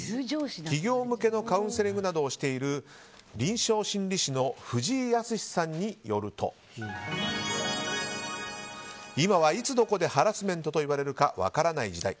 企業向けのカウンセリングなどをしている臨床心理士の藤井靖さんによると今は、いつどこでハラスメントと言われるか分からない時代。